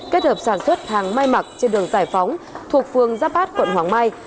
kết hợp sản xuất hàng may mặc trên đường giải phóng thuộc phương giáp bát quận hoàng mai